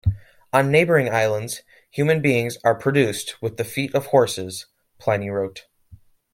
On neighboring islands, "human beings are produced with the feet of horses", Pliny wrote.